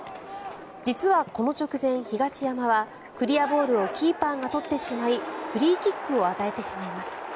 実はこの直前、東山はクリアボールをキーパーが取ってしまいフリーキックを与えてしまいます。